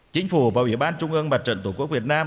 chính phủ và ủy ban trung ương mặt trận tổ quốc việt nam